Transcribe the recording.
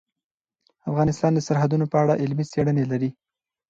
افغانستان د سرحدونه په اړه علمي څېړنې لري.